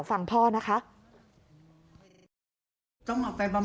ฟังพ่อนะคะ